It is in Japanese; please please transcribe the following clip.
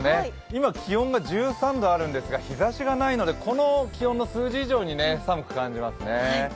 今、気温が１３度あるんですが日ざしがないのでこの気温の数字以上に寒く感じますね。